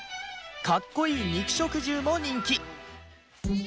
かっこいい肉食獣も人気！